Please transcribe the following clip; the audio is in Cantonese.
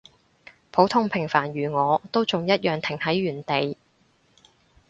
普通平凡如我，都仲一樣停喺原地